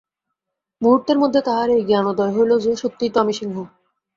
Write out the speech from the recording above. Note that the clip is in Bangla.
মুহূর্তের মধ্যে তাহার এই জ্ঞানোদয় হইল যে, সত্যিই তো আমি সিংহ।